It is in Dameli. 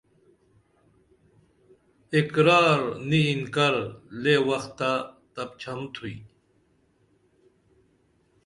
اقرار نی انکار لے وختہ تپچھن تُھوئی